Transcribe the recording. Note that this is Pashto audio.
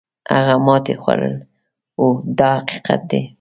هغه ماتې خوړل وو دا حقیقت دی.